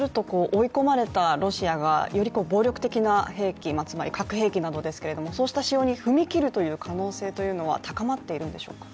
追い込まれたロシアが暴力的な兵器、核兵器ですけれども、そうした使用に踏みきる可能性というのは高まっているんでしょうか。